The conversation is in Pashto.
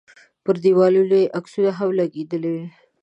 پر دیوالونو یې عکسونه هم لګېدلي وي.